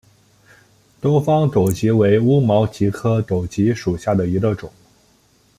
东方狗脊为乌毛蕨科狗脊属下的一个种。